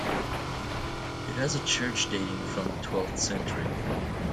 It has a church dating from the twelfth century.